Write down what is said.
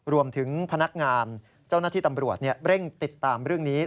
พนักงานเจ้าหน้าที่ตำรวจเร่งติดตามเรื่องนี้